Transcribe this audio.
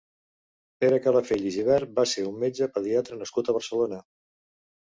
Pere Calafell i Gibert va ser un metge pediatre nascut a Barcelona.